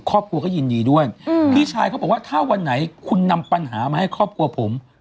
ครอบครัวก็ยินดีด้วยพี่ชายเขาบอกว่าถ้าวันไหนคุณนำปัญหามาให้ครอบครัวผม